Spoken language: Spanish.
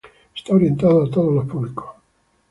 Está orientado a todos los públicos.